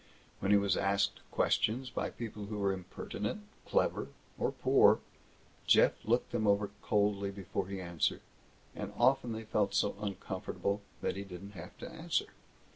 When he was asked questions by people who were impertinent, clever, or poor, Jeff looked them over coldly before he answered, and often they felt so uncomfortable that he didn't have to answer.